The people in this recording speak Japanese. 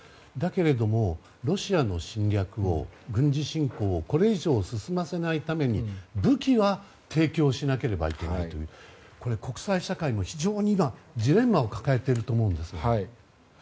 だけれどもロシアの侵略、軍事侵攻をこれ以上進ませないために武器は提供しなければいけないというこれ国際社会も非常にジレンマを抱えていると思うんですが。